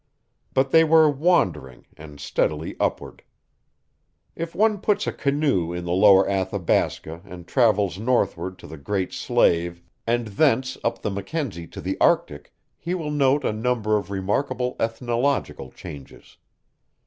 But they were wandering, and steadily upward. If one puts a canoe in the Lower Athabasca and travels northward to the Great Slave and thence up the Mackenzie to the Arctic he will note a number of remarkable ethnological changes.